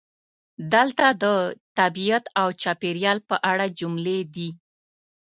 دلته د "طبیعت او چاپیریال" په اړه جملې دي: